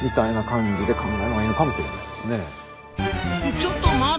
ちょっと待った！